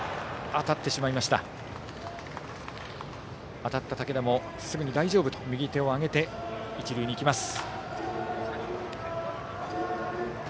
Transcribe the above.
当たった武田もすぐに大丈夫と右手を上げて一塁に行きます。